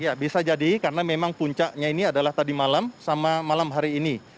ya bisa jadi karena memang puncaknya ini adalah tadi malam sama malam hari ini